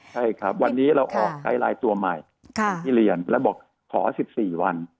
ใช่ครับวันนี้เราออกไอไลน์ตัวใหม่ที่เรียนแล้วบอกขอ๑๔วัน